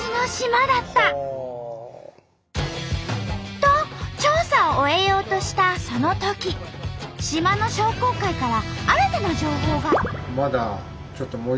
と調査を終えようとしたそのとき島の商工会から新たな情報が！